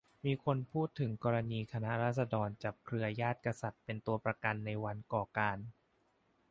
มีคนพูดถึงกรณีคณะราษฎรจับเครือญาติกษัตริย์เป็นตัวประกันในวันก่อการ